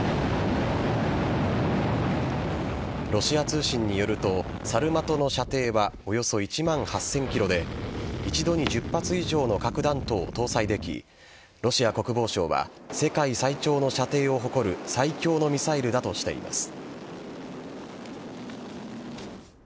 ロシア通信によるとサルマトの射程はおよそ１万８０００ｋｍで一度に１０発以上の核弾頭を搭載できロシア国防省は世界最長の射程を誇る最強のミサイルだとしています。